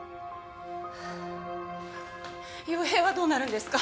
陽平はどうなるんですか？